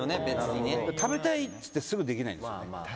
食べたいっつってすぐできないんですよね。